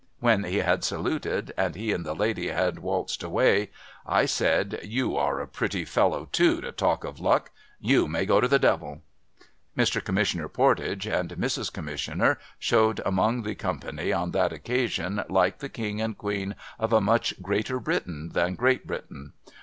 When he had saluted, and he and the lady had waltzed away, I said, ' You are a pretty fellow, too, to talk of luck. You may go to the Devil !' Mr. Commissioner Pordage and Mrs. Commissioner, showed among the company on that occasion like the King and Queen of a much Greater Britain than Great Britain.